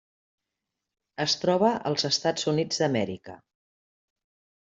Es troba als Estats Units d'Amèrica.